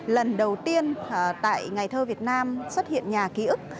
lần đầu tiên tại ngày thơ việt nam xuất hiện nhà ký ức